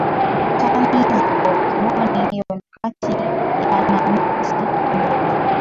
Tani za kaboni hiyo ni kati ya na miti ndogo